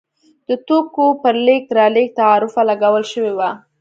د توکو پر لېږد رالېږد تعرفه لګول شوې وه.